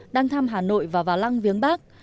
đang thăm hà nội và vào lăng viếng bắc